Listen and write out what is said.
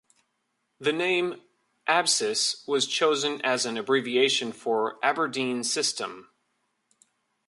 The name "Absys" was chosen as an abbreviation for "Aberdeen System".